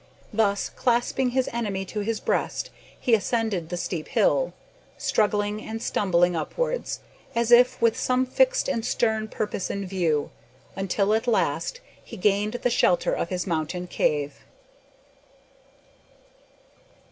Thus, clasping his enemy to his breast he ascended the steep hill, struggling and stumbling upwards, as if with some fixed and stern purpose in view, until at last he gained the shelter of his mountain cave.